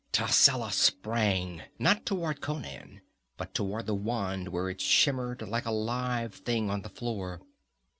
Tascela sprang not toward Conan, but toward the wand where it shimmered like a live thing on the floor.